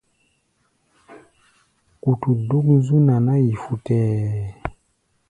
Kutu dúk zú naná-yi futɛɛ.